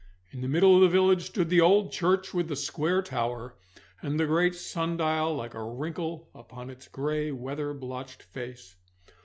In the middle of the village stood the old church with the square tower, and the great sun dial like a wrinkle upon its grey weather blotched face.